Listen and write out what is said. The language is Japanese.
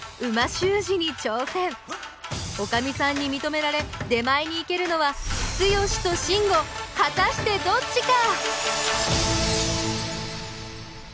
おかみさんにみとめられ出前に行けるのはツヨシとシンゴ果たしてどっちか！？